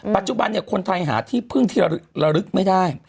ปัจจุบันคนไทยหาที่พึ่งที่ระลึกไม่ได้